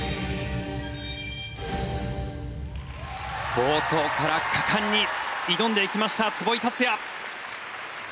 冒頭から果敢に挑んでいきました壷井達也！